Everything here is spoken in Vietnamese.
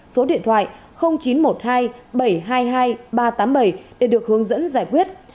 số điện thoại chín trăm một mươi hai bảy trăm hai mươi hai ba trăm tám mươi bảy để được hướng dẫn giải quyết